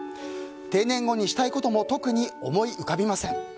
定年後にしたいことも特に思い浮かびません。